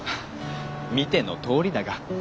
見てのとおりだが。